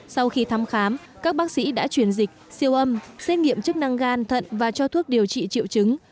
sau khi thăm khám các bác sĩ đã truyền dịch siêu âm xét nghiệm chức năng gan thận và cho thuốc điều trị triệu chứng